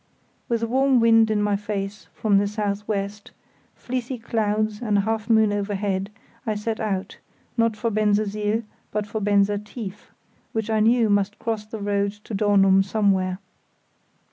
With a warm wind in my face from the south west, fleecy clouds and a half moon overhead, I set out, not for Bensersiel but for Benser Tief, which I knew must cross the road to Dornum somewhere.